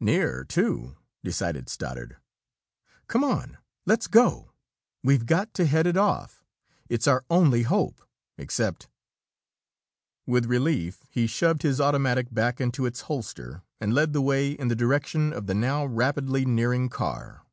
"Near, too," decided Stoddard. "Come on let's go! We've got to head it off. It's our only hope, except " With relief, he shoved his automatic back into its holster and led the way in the direction of the now rapidly nearing car.